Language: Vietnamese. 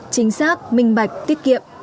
chính xác minh bạch tiết kiệm